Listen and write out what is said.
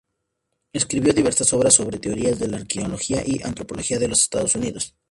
Escribió diversas obras sobre teoría de la arqueología y antropología de los Estados Unidos.